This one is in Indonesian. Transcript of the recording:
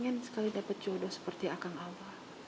saya pengen sekali dapat jodoh seperti akang abah